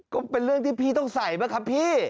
ก็เป็นเรื่องที่พี่ต้องใส่ป่ะครับพี่